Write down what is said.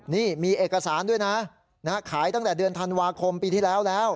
นี่มีเอกสารด้วยนะขายตั้งแต่เดือนธันวาคมปีที่แล้วแล้ว